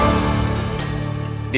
saya berdoa sampai dasarnya